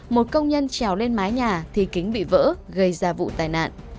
một công nhân trèo lên mái nhà thì kính bị vỡ gây ra vụ tai nạn